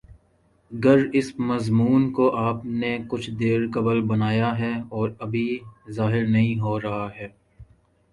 گر اس مضمون کو آپ نے کچھ دیر قبل بنایا ہے اور ابھی ظاہر نہیں ہو رہا ہے